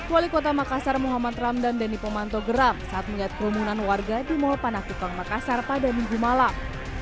wali kota makassar muhammad ramdan dan ipomanto geram saat mengait kerumunan warga di mall panah kutang makassar pada minggu malam